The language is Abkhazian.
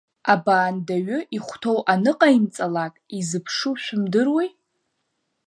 Абаандаҩы ихәҭоу аныҟаимҵалак, изыԥшу шәымдыруеи?